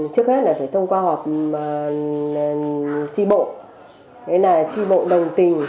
trước hết là phải thông qua họp tri bộ tri bộ đồng tình